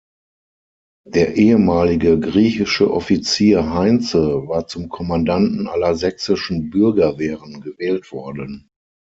Der ehemalige griechische Offizier Heinze war zum Kommandanten aller sächsischen Bürgerwehren gewählt worden.